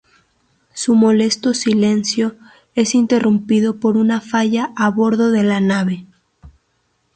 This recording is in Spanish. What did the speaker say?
Su molesto silencio es interrumpido por una falla a bordo de la nave.